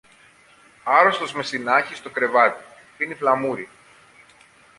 Άρρωστος με συνάχι στο κρεβάτι, πίνει φλαμούρι